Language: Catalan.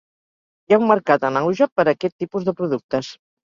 Hi ha un mercat en auge per a aquest tipus de productes.